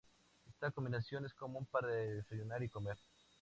Esta combinación es común para desayunar y comer.